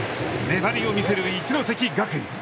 粘りを見せる一関学院。